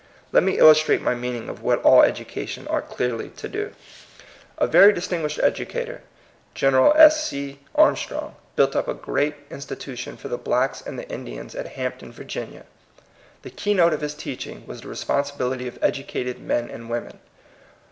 Let me illustrate my meaning of what all education ought clearly to do. A very 124 THE COMING PEOPLE. distinguished educator, Gen. S. C. Arm strong, built up a great institution for the blacks and the Indians at Hampton, Va. The key note of his teaching was the responsibility of educated men and women.